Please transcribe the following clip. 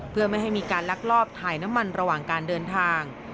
เพื่อไม่ให้มีการลักลอบถ่ายน้ำมันระหว่างการเดินทาง